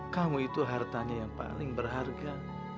kamu itu hartanya yang paling berharga